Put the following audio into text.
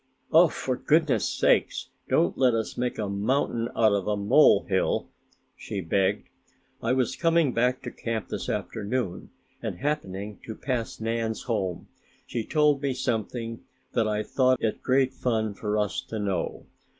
"Oh, for goodness' sake, don't let us make a mountain out of a molehill!" she begged. "I was coming back to camp this afternoon and happening to pass Nan's home, she told me something that I thought it great fun for us to know.